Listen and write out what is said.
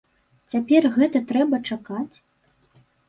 Цяпер гэтага трэба чакаць?